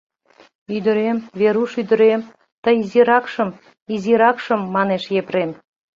— Ӱдырем, Веруш ӱдырем, тый изиракшым, изиракшым, — манеш Епрем.